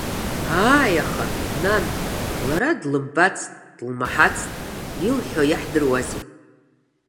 Ааи аха, нан, лара длымбацт, дылмаҳацт, илҳәо иаҳдыруазеи?